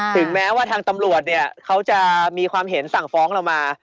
ถึงแม้ว่าทางตำรวจเนี่ยเขาจะมีความเห็นสั่งฟ้องเรามา